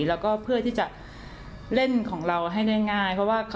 แล้วก็เพื่อที่จะเล่นของเราให้ได้ง่ายเพราะว่า